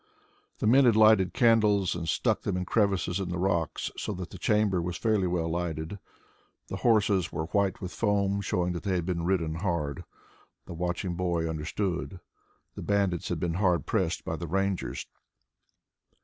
The men had lighted candles and stuck them in crevices in the rocks, so that the chamber was fairly well lighted. The horses were white with foam, showing that they had been ridden hard. The watching boy understood. The bandits had been hard pressed by the Rangers.